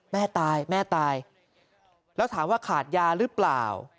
แม่ตายแม่ตายแล้วถามว่าขาดยาหรือเปล่า